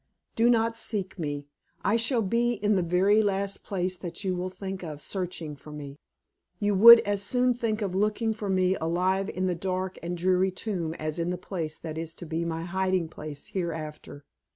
Do not seek me; I shall be in the very last place that you will think of searching for me. You would as soon think of looking for me alive in the dark and dreary tomb as in the place that is to be my hiding place hereafter.